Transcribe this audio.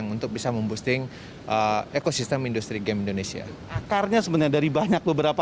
untuk bisa memboosting ekosistem industri game indonesia akarnya sebenarnya dari banyak beberapa